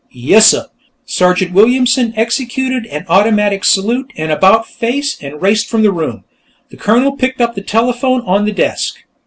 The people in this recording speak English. "Yessuh!" Sergeant Williamson executed an automatic salute and about face and raced from the room. The Colonel picked up the telephone on the desk.